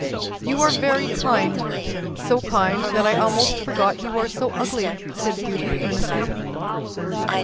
"You are very kind—so kind that I almost forgot you are so ugly," said Beauty, earnestly.